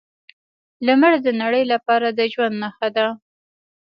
لمر د نړۍ لپاره د ژوند نښه ده.